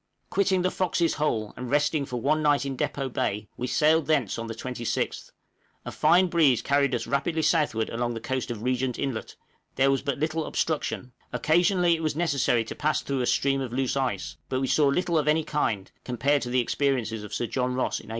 Quitting the "Fox's Hole," and resting for one night in Depôt Bay, we sailed thence on the 26th; a fine breeze carried us rapidly southward along the coast of Regent Inlet; there was but little obstruction; occasionally it was necessary to pass through a stream of loose ice; but we saw little of any kind, compared to the experiences of Sir John Ross in 1829.